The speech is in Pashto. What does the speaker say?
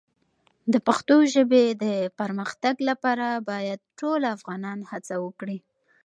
د پښتو ژبې د پرمختګ لپاره باید ټول افغانان هڅه وکړي.